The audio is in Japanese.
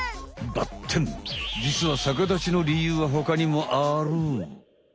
ばってんじつは逆立ちの理由は他にもある！